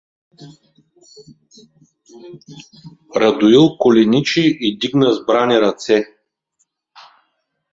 Радоил коленичи и дигна сбрани ръце.